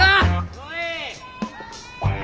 おい。